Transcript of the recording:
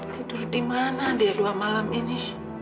tidur dimana dia dua malam ini